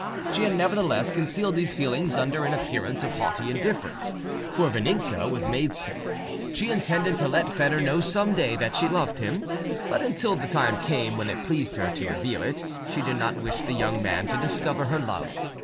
She had nevertheless concealed these feelings under an appearance of haughty indifference, for Vaninka was made so: she intended to let Foedor know some day that she loved him, but until the time came when it pleased her to reveal it, she did not wish the young man to discover her love.